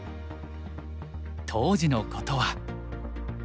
当時のことは。